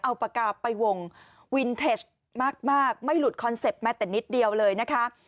เอาปากกาไปวงวินเทจมากไม่หลุดคอนเซ็ปต์แม้แต่นิดเดียวเลยนะคะ